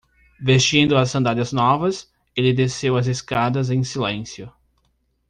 Vestindo as sandálias novas, ele desceu as escadas em silêncio.